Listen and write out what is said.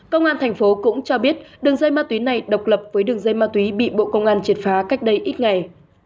công an thành phố cũng cho biết đường dây ma túy này độc lập với đường dây ma túy bị bộ công an triệt phá cách đây ít ngày